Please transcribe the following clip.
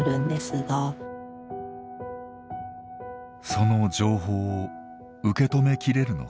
その情報を受け止めきれるのか。